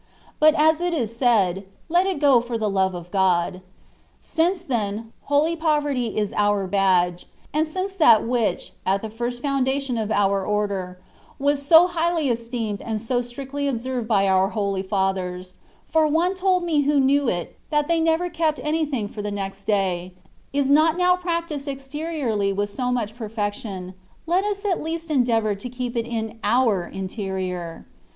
But, as it is said, let it go for the love of God. Since then holy poverty is our badge ; and since that which, at the first foundation of our Order, was so highly esteemed and so strictly observed by our holy fathers (for one told me who knew it — that they never kept anything for the next day), is not now practised exteriorly with so much perfection, let us at least endeavour to keep it in (MT interior.